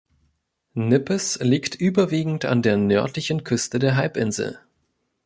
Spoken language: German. Nippes liegt überwiegend an der nördlichen Küste der Halbinsel.